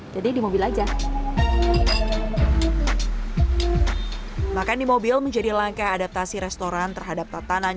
jadi di mobil aja makan di mobil menjadi langkah adaptasi restoran terhadap tatanan